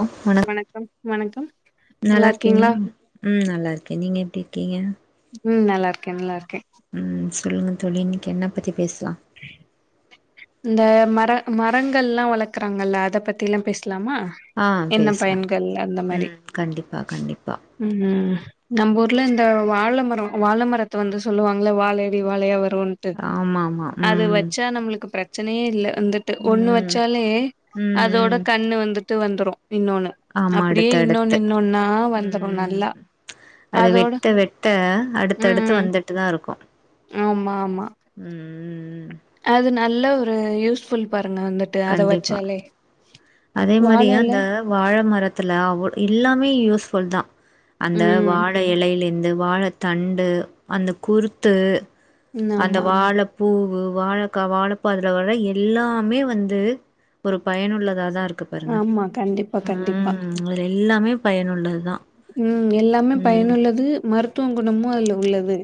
ஹ வணக் வணக்கம் வணக்கம் நல்லா இருக்கீங்களா ம் நல் நல்லாருக்கேன் நீங்க எப்படிருக்கீங்க ம் நல்லாருக்கே நல்லாருக்கே ம் சொல்லுங்க தோழி நீ என்ன பத்தி பேசலாம் இந்த மர மரங்கள்லாம் வளக்கறாங்கல்ல அத பத்திலாம் பேச லாமா ஆ என்ன பேசலா பயன்கள் அந்த மாரி ம் கண்டிப்பா கண்டிப்பா ம் நம்ம ஊர்ல இந்த வாழைமரம் வாழைமரத்தை வந்து சொல்லுவாங்கள வாழையடி வாழையா வ [unintelligible] ஆமா ஆமா அது ம் ம் வச்சா நம்மளுக்கு பிரச்ச பிரச்சனையே இல்லை வந்துட்டு ஒண்ணு வச்சாலே ம் அதோட ம் கண்ணு வந்துட்டு வத்து வந்துடும் ஆமா அடுத்த அடுத்து வந்துரு நல்லா ம் அது அதோட வெட்ட வெட்ட ம் அடுத்தடுத்து ம். வந்துட்டுதான் இருக்கும் ஆமா ஆமா ம் ம் ம் அது நல்ல ஒரு யூஸ்ஃபுல்பா ங்க வந்துட்டு அத கண்டிப்பா வச்சாலே அதே மாரி வாழ இல அந்த வாழ ழ மரத்துல எல்லாமே யூஸ்ஃபுல் தான் அந்த ம் வாழை இலையையில் இரு இந்த வாழை தண்டு அந்த குறுத்து அந்த ஆமா வாழைப்பூ வாழக்கா வாழப்பதுல வர எல்லாமே வந்து ஒரு பயனுள்ளதா இதா இருக்கு பாருங்க ஆமா கண்டிப்பா கண்டிப்பா உம் எல்லாமே பயனுள்ளது தா ம் எல்லாமே பயனுள்ளது மரு த்துவ குணமும் அதுல உள்ளது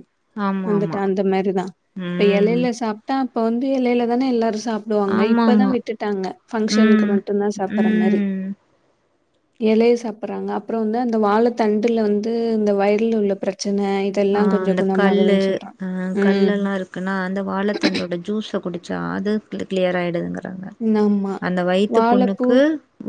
ஆமா வந்துட்டா ஆமா அந்த மாரி தா இப்ப ம் எலைல சாப்ட்டா இப்ப வந்து எலைல தானே எல்லாரு சாப்டுவாங்க ஆமா இப்பதா ஆமா விட்டுட்டாங்க பங்க்ஷன்க்கு ம் மட்டு தா சாப்பற மாரி ம் எலைய சாப்றாங்க அப்றோ வந்து அந் த வாழ தண்டுல வந்து இந்த வயிர்ல உள்ள ப்ரெச் அ அந்த கல்லு சொல்றாங்க அ ம் கல்லெல்லா இருக்குன்னா அந்த வாழத்தண்டோட ஜூஸ குடி ச்சா அது க் க்ளியர் ஆய்டுதுங்க றாங்க ஆமா அந்த வயித்து வாழப்பூ புண்ணுக்கு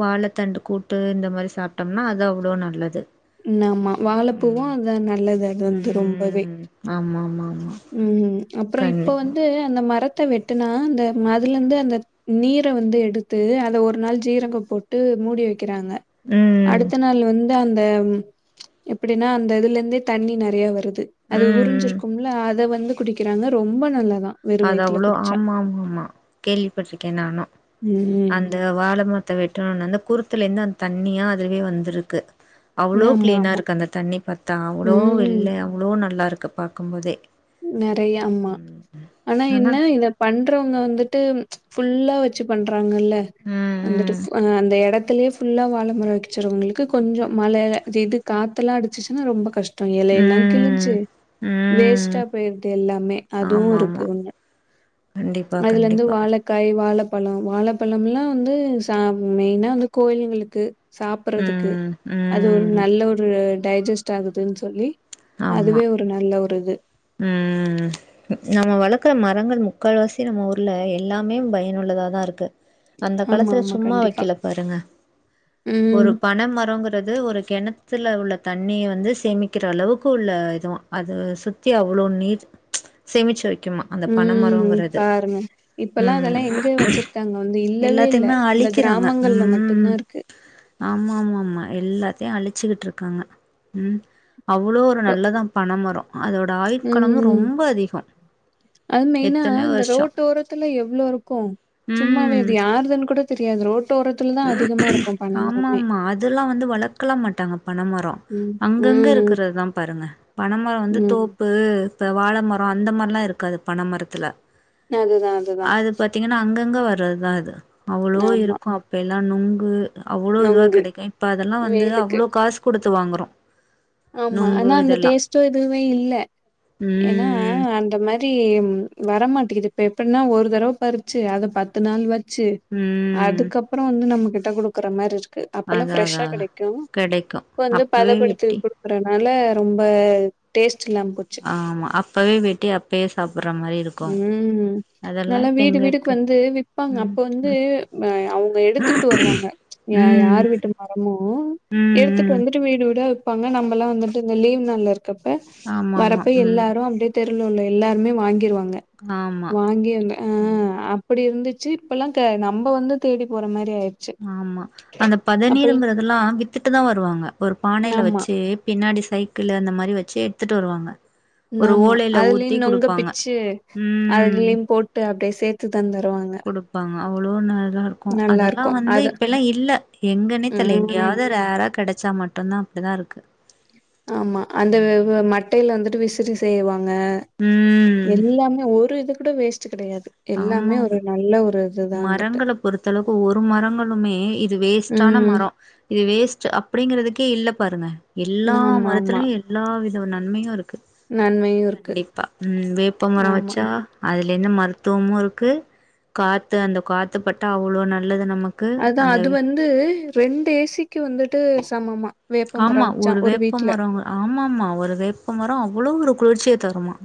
வாழத் தண்டு கூட்டு இந்த மாரி சாப்ட்டோம்னா அது அவ்ளோ நல்லது ம் ஆமா வாழப்பூவு ம் அதா நல்லது அதுந் து ரொம்பவே ம் ஆமா ஆமா ஆமா ம் அப்புறோ இப்போ கண்டிப்பா வந்து அந்த மரத்த வெட்டுனா அந்த அதுலந்து அந்த நீர வந்து எடுத்து அத ஒரு நாள் ஜீரகோ போட்டு மூடி வெக் கிறாங்க ம் அடுத்த நாள் வந்து அந்த எப்படீனா அந்த இதுல இந்தே தண்ணி நெறைய வரு து அது ம் ம் உரிஞ்சிருக்கும்ல அத வ ந்து குடிக்கிறாங்க ரொம்ப நல்லதா அது அவ்ளோ ஆமா ஆமா ஆமா கேள்விப்பட்ருக்கே நானு ம். அந்த வாழ மர்த்த வெட்ட [unintelligible] அந்த குறுத் த்துலேந்து அந் தண்ணியா அதுவே வந்துருக்கு அவ்ளோ ஆமா, க்ளீனா ஆமா. இருக்கு அந்த தண்ணி பாத்தா அவ்ளோ ம். வெள்ளயா அவ்ளோ நல்லாருக் கு பாக்கும் போதே நெறைய ஆமா ஆனா என்ன இத பண் றவங்க வந்துட்டு ச்ச் ஃபுல்லா வெச்சு பண்ற க்கலா ம் வந்துட்டு ம் அந்த [unintelligible] எடத் துலே ஃபுல்லா வாழமர வச்சறவங்களுக்கு கொஞ்சோ மழத இது [unintelligible] காத்தெலா அடிச்சுச்சுனா ரொம்ப கஷ்ட இலையெல்லா ம் கிழிஞ்சு வேஸ் ம் டா போயிருது எல்லாமே அதுவு ஆமா இருக்கு ஆமா ஒன்னு கண்டிப்பா அதுல இந்து கண்டிப்பா வாழைக்காய் வாழப் பழம் வாழப்பழம் எல்லாம் வந்து ச மெயினா வந்து கோயில்களுக்கு சாப்பிறதுக்கு ம் அது ஒரு ம் நல்ல ஒரு டைஜெஸ்டீ ஆகுதுன்னு சொல்லி அதுவே ஒரு நல்ல ஒரு இது உம் நம்ம வளர்க்குற மரங்கள் முக்கால்வாசி நம்ம ஊர்ல எல்லாமே பயனுள்ளதாதா இருக்கு அந்த ஆமா காலத்துல ஆமா சும்மா கண்டிப்பா வைக்கல பாருங்க ம் ஒரு பனொ மரங்கிறது ஒரு கிண சுல உள்ள தண்ணிய வந்து சேமிக்கற அளவுக்கு உள்ள இதுவா அது சு த்தி அவ்ளோ நீர் சேமிச்சு வை உம் பாருங்க இப்பல்லா ம் அதெல்லா எங்க வச்சிருக்காங்க வந்து இல்லவே இல்ல எல்லாத்தையுமே இந்த அழிக்கிறாங்க கிராமங்கள்ல ம் மட்டுந்தா இருக்கு ஆமா ஆமா ஆமா எல்லாத்தையு அழிச்சுகிட்டு இருக்காங்க உம் அவ்வளோ ஒரு நல்லதா பனமரம் அதோ உம் அது மெயினா எத்தனையோ இந்த வருஷோ ரோட்டோரத்துல எவ்ளோ இருக்கு சும்மாவே அது யாருதுன்னு கூட தெரியாது ரோட் ஆமா ஆமா அதெல்லா வந்து வளர்க்கலா மாட்டாங்க பனைமரம் ம். அங்கங்கே ம். இருக்கறது தா பாருங்க பனைமர வந்து ம். தோப்பு இந்த வாழ மர அந்த மாரிலா இருக்காது பனமரத்துல அதுதா அதுதா அங்க வர்றதுதா இது அவ்ளோ இருக்கு அப் எல்லா நொங்கு அவ்ளோ இதுவா நொங்கு கெடைக்கு இப்ப அதெல்லா வந்து வெயிலுக்கு. அவ்ளோ காசு குடுத் த்து வாங்கறோ ஆமா ஆனா அந்த டேஸ்ட்டும் எதுமே இல்ல ஏன்னா ம் அந்த மாரி தி வரமாட்டேக்குது இப்ப எப்படனா ஒரு தடவை பறிச்சு அத பத்து நாள் வச் ச்சு ம் அதுக்கப்புறோ வந்து நமக்கு ட்ட கொடுக்குற மாரி இருக் க்கு அப்பெல்லா அதா அதா ஃப்ரெஷ்ஷா அதா கிடைக்கும் கெடைக்கு இப்ப வந்து அப்பவே பதப்படுத்தி வெட்டி குடு தறனால ரொம்ப டேஸ்ட் ல்லாம போச்சு ஆமா அப்பவே வெட்டி அப்பயே சாப்புட்ற மாரி இருக்கு உஹம் அதெல்லா நல்லா இப்ப வீடு எங்க வீடுக்கு இருக்கு வந்து விற்பாங்க ம் அப்ப வந்து ம் அவங்க எடுத்துக்கிட்டு வருவாங்க ச்சு யார் வீட்டு ம் மரமோ ம் எடுத்துட்டு ம் வந்துட்டு வீடு வீட இனிமே நம்மெல்லா வந்துட்டு இந்த லீவ் நாள் இருக்கு ஆமா இருக்கப்ப ஆமா வரப்ப ம் எல்லாரு அப்பிடியே தெ ஊர்ல உள்ள எல்லாருமே வாங்கிருவாங்க ஆமா வாங்கி ம் ஆஹ் அப்டி இருந்து ச்சீ இப்பெல்லாம் நம்ம வந்து தேடி போற மாரி ஆயிருச்சு. ஆமா அந்த அப்பல் பதநீருங்குறெதெல்லா வித்துட்டுதா வருவாங்க ஒரு பானில ஆமா வெச்சு பின்னாடி சைக்கிள் அந்த மாரி வெச்சு எடுத்துட்டு வருவாங்க ஒரு நாம ஓலையில ஊத்தி அதுலயும் நொங்க குடுப்பாங்க பிச்சு ம் அதுலயும் போட்டு அப்படியே சேத்து தந்துருவா குடுப்பாங்க அவ்ளோ நா இருக்கு நல்லா அதெல்லா இருக்கு வந்து அது இப்பெல்லா இல்ல எங்கன்னே தெரில்ல ம் எங்கேயாவது ரேரா கெடச்சா மட்டும்தா அப்பிடிதா இருக்கு ஆமா அந்த வ உம் வ மட்டையில வந்துட்டு விசிறி செய்வா ங்க எல்லாமே ஒரு இதுக் கூட வேஸ்ட் கெடையாது எல்லாமே ஒரு நல்ல ஒரு இதுதா வந்துட்டு பொருத்தளவுக்கு ஒரு மரங்களுமே இது வேஸ்டான ம் மரம் இது வேஸ்ட் அப்பிடிங்கிறதுக்கே இல்ல பாருங்க எல்லா ஆமா ஆமா மரத்துலயு எல்லா வித ஒரு நன்மையு இருக்கு நன்மையும் இருக்கு கண்டிப்பா உம் வேப்ப மரம் ஆமா வெச்சா அதுலேருந்து மருத்து துவமு இருக்கு காத்து அந்த காத்து பட்டா அவ்ளோ நல்ல அதான் அது வந்து ரெண்டு ஏசிக்கு வந்துட்டு சமமா ஆமா வேப்பமரம் ஒரு வச்சான் வீட்ல வேப்பமரம் ஆமா ஆமா ஒரு வேப்ப மரம் அவ்ளோ ஒரு குளிர்ச்சிய தருமா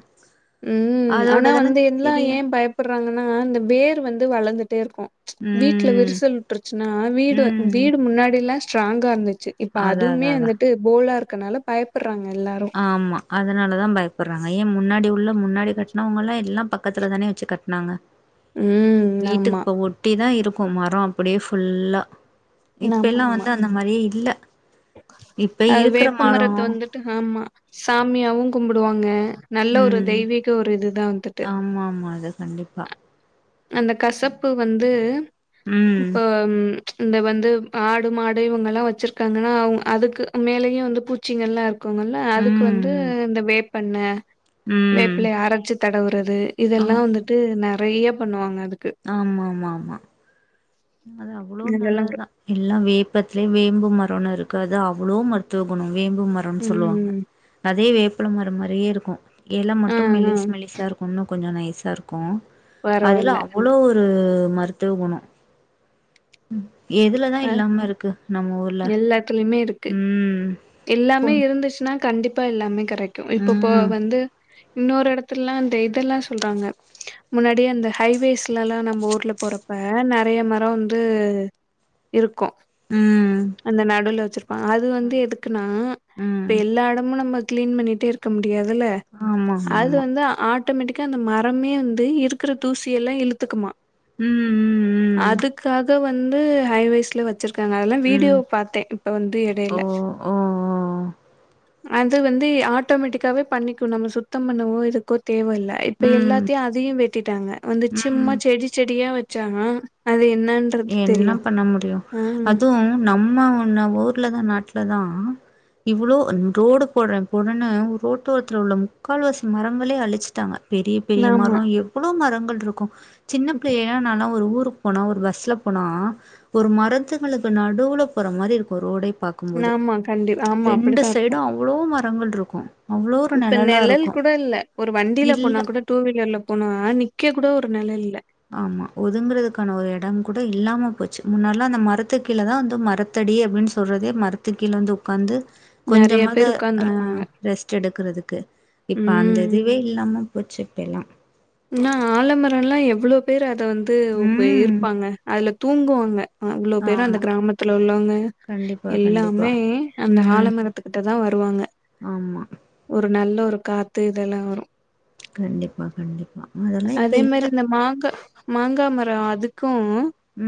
உம் அதோட ஆனா இதெல்லா வந்து எல்லா தெரியு ஏ பயப்படுறாங்கன்னா இந்த வேர் வந்து வளர்ந்துட்டே இருக்கு வீட்ல ம் விரிசல் விட்டுருச்சுன்னா வீடு ம் வீடு முன்னாடில்லா ஸ்ராங்கா இருந்து இப்ப அதா அதுவுமே அதா அதா வந்துட்டு போலா இரு கன்னால பயப்பற ஆமா அதனாலதா பயப்படுறாங்க ஏ மு முன்னாடி உள்ள முன்னாடி கட்டுனவங்கெல்லா எல்லா பக்கத்துல தானே வெச்சு கட்டுனாங்க ம் ஆமா வீட்டுக்குப்ப ஒட்டி தா இருப் குமரம் அப்படியே ஃபுல்லா இப்பெல்லாம் வந்து அந்த மாதிரியே இல்ல இப்ப அ இருக்கிற வேப்பமரத்தை மரம் வந்துட்டு ஆமா சாமியாவும் கும்பிடுவாங்க நல்ல ஒரு தெய்வீக ஒரு இதுதான் ஆமா ஆமா அது கண்டிப்பா அந்த கசப்பு வந்து ம். இப்ப இந்த வந்து ஆடு மாடு இவங்க எல்லாம் வச்சிருக்காங்க அதுக்கு மேலேயே வந்து பூச்சிகள்ல்லாம் இருக் இருல்ல அதுக்கு வந்து ம். இந்த வே பண்ண ம். வேப்பில அரச்சி தடவு டுறது இதெல்லாம் வந்துட்டு நிறைய பண்ணுவாங்க அது ஆமா ஆமா ஆமா அது அவ்வளவு இதெல்லா நல்லதுதான் எல்லாம் வேப்பத்திலயே வேம்பு ம கொரோனா இருக்கு அது அவ்வளோ மருத்துவ குணம் வேம்பு மரம்னு சொல்லுவாங்க ம் அதே வேப அப்பள மரம் மாரியே இருக்கும் எல ஆ மட்டும் ஆ மெலிஸ் மெலிசாக இருக்கு இன்னு கொஞ்சோ நைஸாக இருக்கு அதுல பரவாயில்ல அவ்ளோ ஒரு மருத்துவ குண எதுலதா இல்லாம இருக்கு நம்ம ஒரு எல்லாத்துலயுமே இருக்கு எல்லாமே பும் இருந்துச்சுன்னா கண்டிப் பப்ப இல்லாமே கெடைக்கும் இப்ப போ ம் வந்து இன்னொரு இடத்துலலாம் இந்த இதெல்லாம் சொல்றாங்க முன்னாடி அந்த ஹைவேஸ்லல்லாம் நம்ம ஊர்ல போறப்ப நெறைய மர வந்து இருக் கும் ம் அந்த நடுல வச்சிருப்பாங்க அது வந்து எதுக் ஆஹூ இப்ப ம் எல்லா எடமு நம்ம கிளீன் பண்ணிட்டே இருக்க முடி முடியாதுல ஆமா அது ஆமா ஆமா வந்து ஆட் ஆட்டோமெட்டிக்கா அந்த மரமே வந்து இருக்கிற தூசியெல்லா இழுத்துக்குமா ம் ம் ம் அதுக்காக வந் வந்து ஹைவேஸ்ல வச் வச்சிருக்காங்க அதெல்லா வீடியோ ம் பாத்தே இப்ப வந்து ஓ எடையில ஓ ஓ அது வந்து ஆட்டோமேட்டிக்காவே பண்ணிக்கு நம்ம சுத்தம் பண்ணுவோ இதுக்கோ தேவையில்ல இப்ப ம் எல்லாத்தையு அதையு வெட்டிட்டாங்க வந்து ம் சிம்மா செடி செடியா வச் சாங்க என்ன பண்ண முடியு ஆ அதுவும் நம் ம்ம ஒன்னு ஊர்லதா நாட்ல தா இவ்வளோ ரோடு போடுறே போட்றேனு ரோட்டோரத்தில் உள்ள முக்கால்வாசி மரங்களே அழிச்சுட்டாங்க பெரிய பெரிய ஆமா மரோ எவ்வளோ மரங் போல்ருக்கும் சின்ன பிள்ளைலல்லா நானாவ் ஒரு ஊருக்கு போன ஒரு பஸ் ஸ்ல போனா ஒரு மரத்துங்களுக்கு நடுவுல போற மாரி இருக்கு ரோடே பாக்கும்போது ஆமா கண்டி ஆமா ரெண்டு அப்டித்தா இருக்கு சைடும் அவ்ளோ மர ரங்கள் இருக்கும் இப்ப நிழல் கூட இல்ல ஒரு வண்டியில இல்ல போனா கூட டூ வீலர்ல போன நிக் நிக்க கூட ஒரு நெழல் இல்ல. ஆமா ஒதுங்கறதுக்கான ஒரு இடம் கூட இல்லாம போச்சு முன்னாடிலா அந்த மரத்துக்கு கீழேதா வந்து மரத்தடி அப்டின்னு சொல்றதே மரத்து கீழ வந்து உட்காந்து நெறைய கொஞ்சமாது பேர் அ உட்கார்ந்துருப்பாங்க ரெஸ்ட் எடுக்கறதுக்கு இப்ப அந்த ம் இதுவே இல்லாம போச்சி இப்ப எல்லா நா ஆலமரம்ல எவ்ளோ பேரு துல வந்து உப ம். இருப்பாங்க அதுல தூங்குவாங்க அவ்ளோ பேரு அந்த ஆமா. கிராமத்துல உள்ளவங்க கண்டிப்பா, கண்டிப்பா. எல்லாமே அந்த ம். ஆலமரத்துக்கிட்ட தா வருவாங்க ஆமா. ஒரு நல்ல ஒரு காத்து இதெல்லா வரும் கண்டிப்பா கண்டிப்பா அதெல்லாம் இப்ப அதே இல்ல. மாரி இந்த மாங்கா மாங்கா மரம் அதுக்கு கும்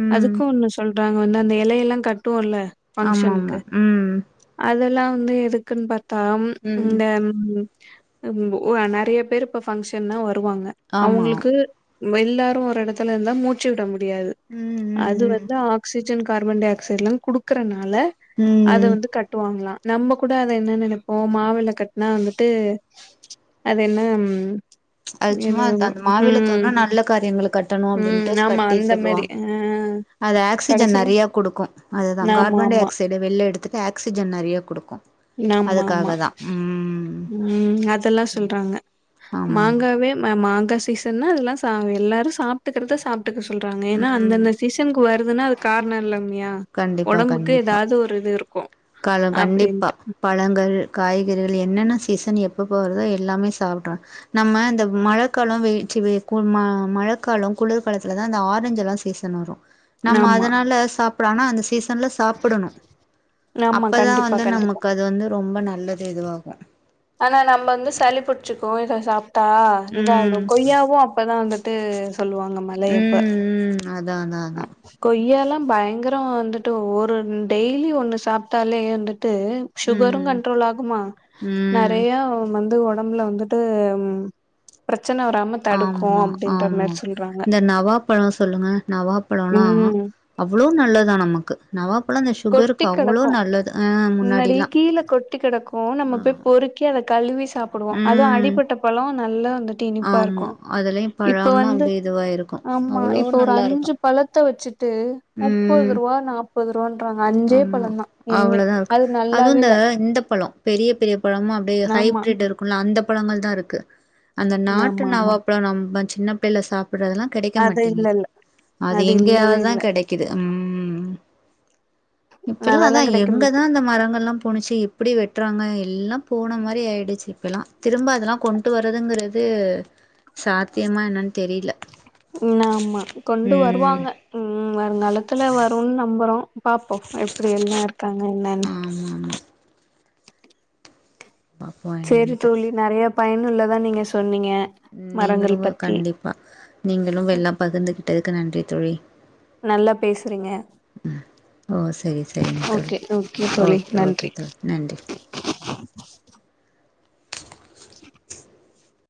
ம். அதுக்கும் ஒன்னு சொல்றாங்க வந்து அந்த எலையெல்லா கட்டடோவும்ல ஆமாமா ம் அதெல்லாம் வந்து எதுக்குன் பாத் தா ம். இந்த ம் ம் உ நெறையா பேரு இப்ப பங்க்ஷன்னா வருவாங்க ஆமா. அவங்களுக்கு எல்லாரு ஒரு எடத்துல இருந்தா மூச்சு விட மு டியாது ம், அது ம், ம். வந்து ஆக்சிஜன் கார்பன் டை ஆக்சைடுலா குடுக்கற னால அத ம். வந்து கட்டுவாங்கலா நம்ம கூட அத என்ன நெனைப்போ மாவிலை கட்டினா வந்துட்டு அது என்ன அது சும்மா ஏதோ அது அந்த மாவில ம் தோரண நல்ல காரியங்களுக்கு கட்டணு ம் அப்டின்ட்டு ஆமா கட்டி அந்த மாரி சொல்லுவாங் ஆ அது ஆக்சிஜன் கடைசில நறைய குடுக்கு அதுதா ஆமா கார்பன் டை ஆமா ஆக்சைட வெளில எடுத்துட்டு ஆக்சிஜன் நறைய குடுக்கு ஆமா ஆமா அதுக்காகதா, ம், ம் அதெல்லா சொல்றாங்க ஆமா மாங்காவே ம மாங்கா சீசன்ல அதெல்லா சா எல்லாரு சாப் ட்டுகிறத சாப் டுக்க சொல்றாங்க ஏனா ம் அந்தந்த சீசனுக்கு வரு துன்னா அது காரண இல்லாம கண்டிப்பா, கண்டிப்பா, இருக்கு காலம் கண்டிப்பா அப்டின்ட்டு பழங்கள் காய்கறி அது என்னென்ன சீசன் எப்பெப்ப வருதோ எல்லாமே சாப்டனு நம்ம இந்த மழக்காலோ வெயி வெ கு மழைக்கால குளிர்காலத்துலதா இந்த ஆரஞ்சுலா சீசன் வரு நம்ம ஆமா அதனால சாப் புட்லானா அந்த சீ சன்ல சாப்பிடணு ஆமா அப்பதா கண்டிப்பா வந்து கண்டிப்பா நமக்கு அது வந்து ரொம்ப நல்லது ஏதுவாகு ஆனா நம்ம வந்து சளி புடிச்சுக்கு இத சாப் டா ம் இதாயிடு கொய்யாவு அப்பதா வந்துட்டு சொல்லுவாங்க மழை அப்ப தா அதா அதா பயங்கர வந்துட்டு ஒரு டெய்லி ஒண்ணு சாப்ட்டாலே வந்து ட்டு சுகரு ம் கண்ட்ரோல் ஆகுமா ம் நறைய வந் து ஒடம்புல வந்துட்டு பிர ஆமா ஆமா சொல்றாங்க இந்த நவா பழ சொல்லுங்க நவாப்பழோலா ம் அவ்ளோ நல்லதா நமக்கு நவா பழ அந்த சுகருக்கு கொட்டி அவ்வளோ கெடக்கு நல்லது அ முன்னாடி கீழ கொட்டி கடக்கு நம்ம ஆ போய் பொறுக்கி அத கழுவி சாப்பிடுவோ அதுவும் ம் அடிப்பட்ட பழம் நல்ல ந்து இனிப்பா ஆமா இருக்கும் அதுலயு இப்ப பழமா வந்து அப்டியே இதுவா இருக்கு ஆமா அவ்ளோ இப்ப ஒரு நல்லா இருக்கு அஞ்சு பழத்தை வச்சுட்டு ட்டு முப்பது ம் ரூபா நாற்ப தன்றாங்க அஞ்சே பழம்தான் எண்ணி இரு அது அதுவும் நல்லாவே இந்த இல்ல இந்த பழம் பெரிய பெரிய பழமும் அப்படியே ஆமா ஹைப்ரிட் இருக்கும்ல அந்த ப பழங்கள் தான் இருக்கு அந்த நாட்டு ஆமா ஆமா நாவப்பல நம்மச் சின்ன பள்ள சாப்ப சாப்பறதெல்லாம் கிடைக்க அது இல்ல மாட்டேங்குது இல்ல அது இல்லவே இல்ல எங்கேயாவதுதான் கிடைக்குது உம்ஹ் இப்பல்லாம் அதெல்லா அதான் கெடைக்க மாட்டு எங்கதான் இந்த மரங்கள்ல்லா போணுச்சு எப்படி வெட்டுறாங்க எல்லா போன மாதிரி ஆயிடுச்சு இப்பல்லாம் திரும்ப அதெல்லாம் கொண்டு வர்றதுங்கிறது ஆமா ஆமா கொண்டு ம் வருவாங்க உம் வருங்காலத்துல வரும்னு நம்புறோம் பாப்போம் எப்படி எல்லா இருக்காங்க நன் உம் சேரி என்னன்ட்டு தோழி நிறைய பயன் உள்ளதான் நீங்க சொன்னீங் நீங்களும் கண்டிப்பா நீங்களும் வெல்லம் பகிர்ந்துகிட்டதுக்கு நன்றி தோழி நல்லா பேசுறீங்க ஓ சரி சரிங்க தோழி ஓகே ஓகே தோழி ஓகே ஓகே நன்றி தோழி நன்றி